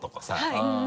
はい。